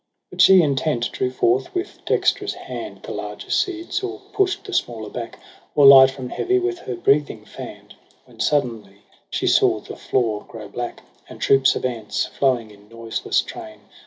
4 But she intent drew forth with deJrtrous hand The larger seeds, or push'd the smaller back. Or light from heavy with her breathing fan'd. When suddenly she saw the floor grow black. And troops of ants, flowing in noiseless train.